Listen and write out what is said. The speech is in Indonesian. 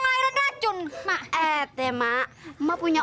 ngelahirin racun emak emak emak punya